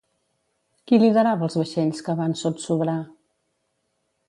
Qui liderava els vaixells que van sotsobrar?